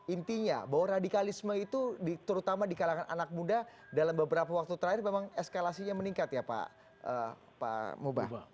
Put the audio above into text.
intinya bahwa radikalisme itu terutama di kalangan anak muda dalam beberapa waktu terakhir memang eskalasinya meningkat ya pak mubah